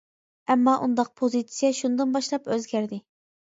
ئەمما ئۇنداق پوزىتسىيە شۇندىن باشلاپ ئۆزگەردى.